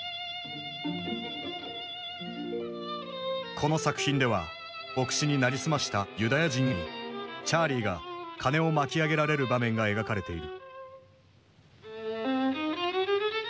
この作品では牧師に成り済ましたユダヤ人にチャーリーが金を巻き上げられる場面が描かれている。